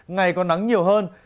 ngày có nắng nhiều hơn